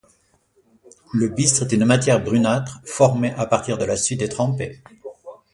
Le bistre est une matière brunâtre formée à partir de la suie détrempée.